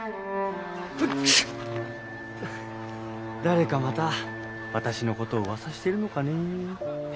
誰かまた私のことをうわさしてるのかねえ？